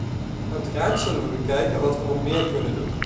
Uiteraard zullen we bekijken wat we nog meer kunnen doen.